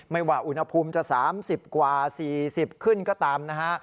ว่าอุณหภูมิจะ๓๐กว่า๔๐ขึ้นก็ตามนะฮะ